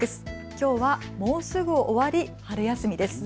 きょうはもうすぐ終わり春休みです。